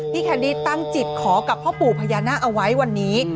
แคนดี้ตั้งจิตขอกับพ่อปู่พญานาคเอาไว้วันนี้